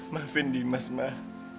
maafin dimas mbak